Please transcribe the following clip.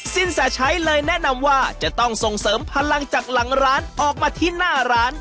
สินแสชัยเลยแนะนำว่าจะต้องส่งเสริมพลังจากหลังร้านออกมาที่หน้าร้าน